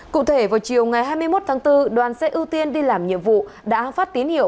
cụ thể vào chiều ngày hai mươi một tháng bốn đoàn xe ưu tiên đi làm nhiệm vụ đã phát tín hiệu